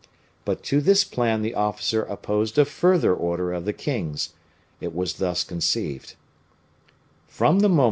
But to this plan the officer opposed a further order of the king's. It was thus conceived: "From the moment M.